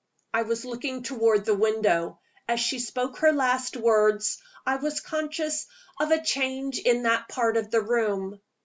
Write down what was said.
I was looking toward the window. As she spoke her last words, I was conscious of a change in that part of the room.